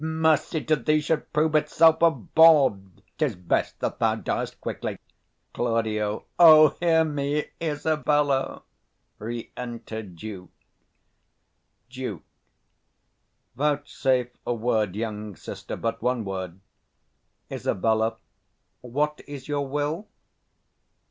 Mercy to thee would prove itself a bawd: 'Tis best that thou diest quickly. Claud. O, hear me, Isabella! Re enter DUKE. Duke. Vouchsafe a word, young sister, but one word. Isab. What is your will?